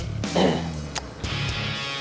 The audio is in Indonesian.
gue gak mau kabur